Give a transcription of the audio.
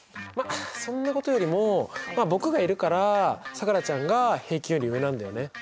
まあそんなことよりも僕がいるからさくらちゃんが平均より上なんだよね。